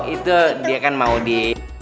itu dia kan mau di